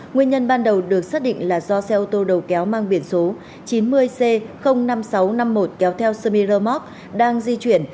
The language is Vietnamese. nguyên nhân ban đầu được xác định là do xe ô tô đầu kéo mang biển số chín mươi c năm nghìn sáu trăm năm mươi một kéo theo semi rơ móc đang di chuyển